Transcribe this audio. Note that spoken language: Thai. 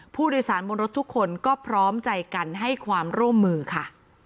ผู้โดยสารบนรถทุกคนก็พร้อมใจกันให้ความร่วมมือค่ะ